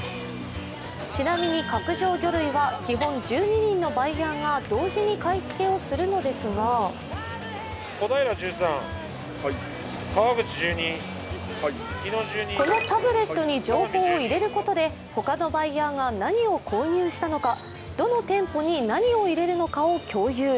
ちなみに角上魚類は基本、１２人のバイヤーが同時に買い付けをするのですがこのタブレットに情報を入れることで、他のバイヤーが何を購入したのかどの店舗に何を入れるのかを共有。